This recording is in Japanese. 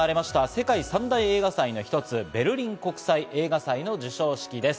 世界三大映画祭の一つ、ベルリン国際映画祭の授賞式です。